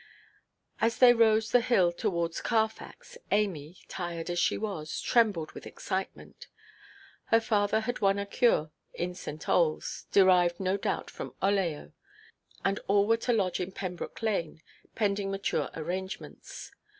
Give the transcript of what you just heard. As they rose the hill towards Carfax, Amy (tired as she was) trembled with excitement. Her father had won a cure in St. Oles—derived no doubt from oleo—and all were to lodge in Pembroke Lane, pending mature arrangements.